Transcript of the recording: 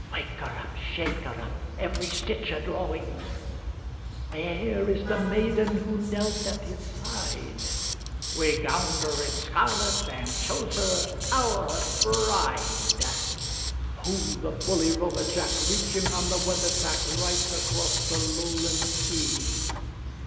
— Wake her up! Shake her up! Every stitch a drawing! Where is the maiden who knelt at his side? We gowned her in scarlet, and chose her our bride: Ho, the bully rover Jack, Reaching on the weather tack, Right across the Lowland sea!